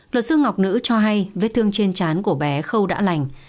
luật sư ngọc nữ cho hay vết thương trên chán của bé khâu đã lành